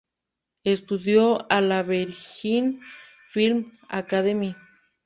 Estudió en la Beijing Film Academy.